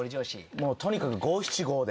もうとにかく五七五で。